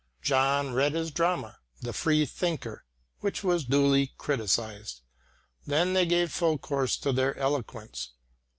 John read his drama, The Free thinker, which was duly criticised. Then they gave full course to their eloquence.